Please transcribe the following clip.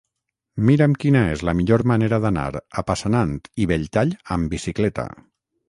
Mira'm quina és la millor manera d'anar a Passanant i Belltall amb bicicleta.